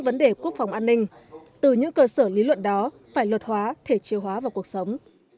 an ninh từ những cơ sở lý luận đó phải luật hóa thể triều hóa vào cuộc sống